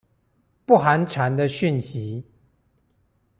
不寒蟬的訊息